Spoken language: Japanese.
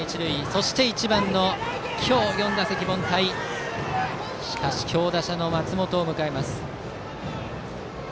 そして１番の今日４打席凡退しかし、強打者の松本を迎えます。